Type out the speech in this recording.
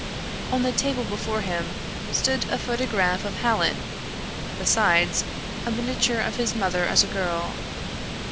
On the table before him stood a photograph of Hallin, besides a miniature of his mother as a girl.